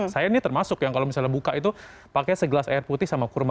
saya ini termasuk yang kalau misalnya buka itu pakai segelas air putih sama kurma